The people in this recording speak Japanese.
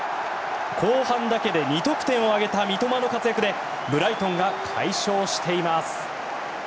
後半だけで２得点を挙げた三笘の活躍でブライトンが快勝しています。